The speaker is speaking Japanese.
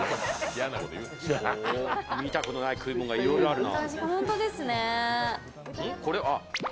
見たことのない食い物がいっぱいあるな。